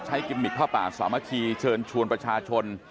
ใช้กิมมิตผ้าปากสามารถที่เชิญชวนประชาชน